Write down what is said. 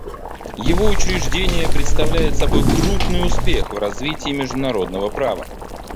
Его учреждение представляет собой крупный успех в развитии международного права.